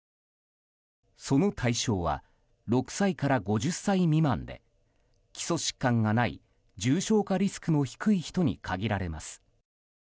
その対象は６歳から５０歳未満で基礎疾患がない、重症化リスクの低い人に限られます。